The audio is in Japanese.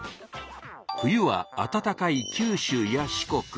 冬はあたたかい九州や四国。